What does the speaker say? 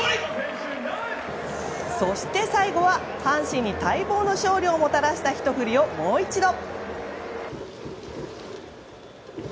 そして、最後は阪神に待望の勝利をもたらしたひと振りをもう一度。